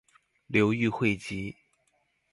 流寓会稽。